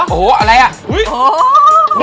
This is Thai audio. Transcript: โอ้โหอะไรอ่ะ